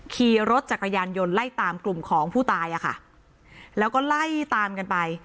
ขี่รถจักรยานยนต์ไล่ตามกลุ่มของผู้ตายอ่ะค่ะแล้วก็ไล่ตามกันไป